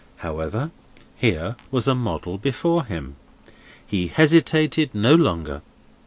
However, here was a model before him. He hesitated no longer.